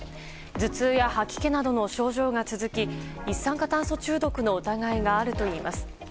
頭痛や吐き気などの症状が続き一酸化炭素中毒の疑いがあるといいます。